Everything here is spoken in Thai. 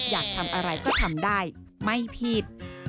อยากทำอะไรก็ทำได้ไม่ผิด